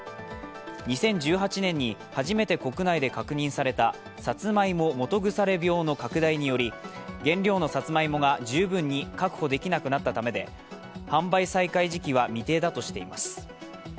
２０１８年に初めて国内で確認されたさつまいも基腐病気の拡大により原材料のさつまいもが十分に確保できなくなったためで、販売再開時期は未定だとしています。